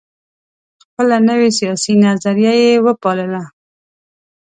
خپله نوي سیاسي نظریه یې وپالله.